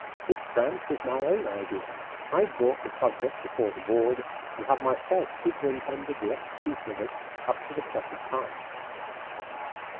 This branch was my own idea. I brought the project before the board, and have myself superintended the execution of it up to the present time."